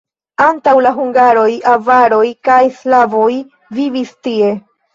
Antaŭ la hungaroj avaroj kaj slavoj vivis tie.